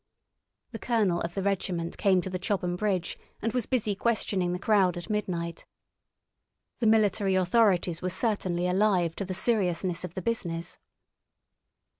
The colonel of the regiment came to the Chobham bridge and was busy questioning the crowd at midnight. The military authorities were certainly alive to the seriousness of the business.